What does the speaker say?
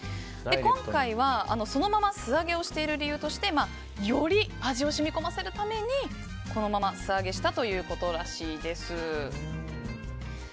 今回は、そのまま素揚げをしている理由としてより味を染み込ませるためにこのまま素揚げしたということらしいです。